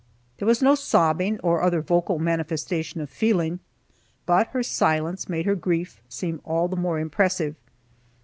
There was no sobbing, or other vocal manifestation of feeling, but her silence made her grief seem all the more impressive.